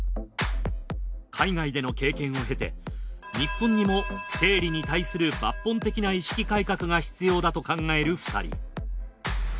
海外での経験を経て日本にも生理に対する抜本的な意識改革が必要だと考える２人。